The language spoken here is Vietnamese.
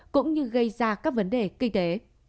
cũng như gây ra các vấn đề kinh tế